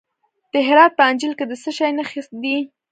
د هرات په انجیل کې د څه شي نښې دي؟